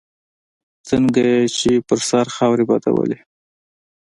څنګه يې پر سر خاورې بادولې.